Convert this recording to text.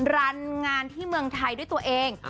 รันงานที่เมืองไทยด้วยตัวเอง